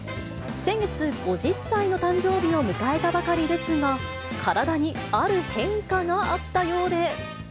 先月、５０歳の誕生日を迎えたばかりですが、体にある変化があったようで。